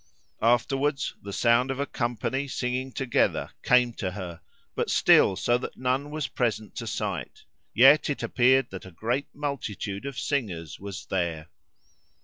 Afterwards the sound of a company singing together came to her, but still so that none were present to sight; yet it appeared that a great multitude of singers was there.